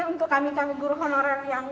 untuk kami kami guru honorer yang